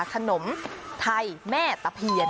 ขนมไทยแม่ตะเพียน